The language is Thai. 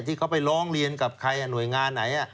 ที่เขาไปร้องเรียนกับใครหน่วยงานไหน